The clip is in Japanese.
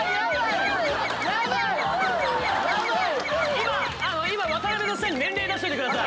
今あの今渡辺の下に年齢出しといてください